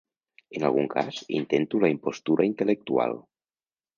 En algun cas, intento la impostura intel·lectual.